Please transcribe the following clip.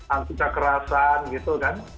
angkita kerasan gitu kan